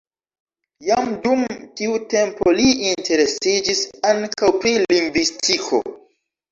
Jam dum tiu tempo li interesiĝis ankaŭ pri lingvistiko.